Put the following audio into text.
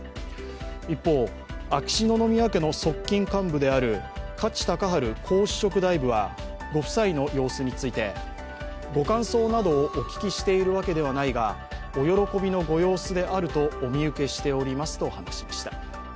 一方、秋篠宮家の側近幹部である加地隆治皇嗣職大夫はご夫妻の様子についてご感想などをお聞きしているわけではないがお喜びのご様子であるとお見受けしておりますと話しました。